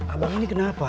abang ini kenapa